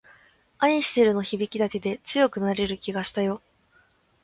愛してるの響きだけで強くなれる気がしたよ